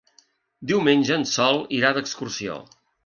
Diumenge en Sol irà d'excursió.